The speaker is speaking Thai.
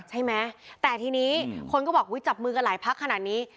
ใช่ไหมแต่ทีนี้คนก็บอกอุ๊ยจับมือกันหลายพักขนาดนี้